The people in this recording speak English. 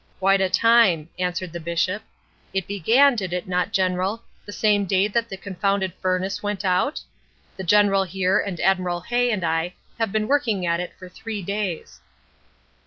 "'Quite a time,' answered the Bishop. 'It began, did it not, General, the same day that the confounded furnace went out? The General here and Admiral Hay and I have been working at it for three days.'